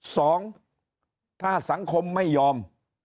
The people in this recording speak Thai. สองถ้าสังคมไม่ยอม